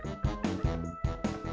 bapak tuh harus sadar ya